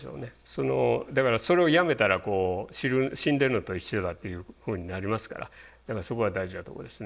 そのだからそれをやめたらこう死んでるのと一緒だというふうになりますからだからそこは大事なとこですね。